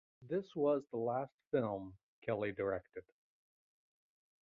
This was the last film Kelly directed.